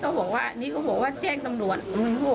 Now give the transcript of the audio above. บอกว่านี่ก็บอกว่าแจ้งตำรวจ